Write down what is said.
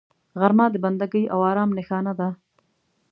غرمه د بندګۍ او آرام نښانه ده